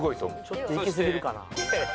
ちょっといきすぎるかな？